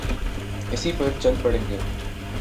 اسی پر چل پڑیں گے۔